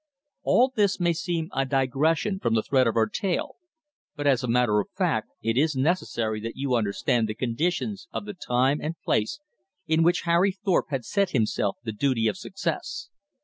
All this may seem a digression from the thread of our tale, but as a matter of fact it is necessary that you understand the conditions of the time and place in which Harry Thorpe had set himself the duty of success.